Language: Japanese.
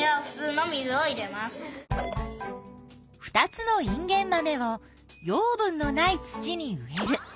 ２つのインゲンマメを養分のない土に植える。